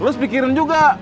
lu sepikirin juga